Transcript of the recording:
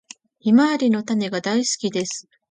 ヒマワリの種が大好きです。